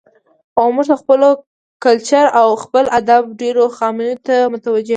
او موږ د خپل کلچر او خپل ادب ډېرو خاميو ته متوجه کوي.